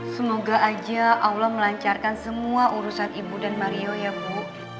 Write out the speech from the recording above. semoga aja allah melancarkan semua urusan ibu dan mario ya bu